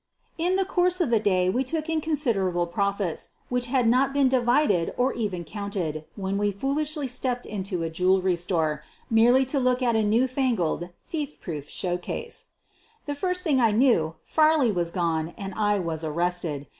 In the course of the day we took in considerable profits, which had not been divided or even counted when we foolishly stepped into a jewelry store, merely to look at a new fangled thief proof show j case. The first thing I knew, Farley was gone and I was arrested.